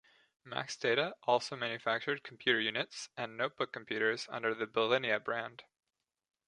Maxdata also manufactured computer units and notebook computers under the Belinea brand.